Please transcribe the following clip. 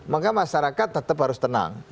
maka masyarakat tetap harus tenang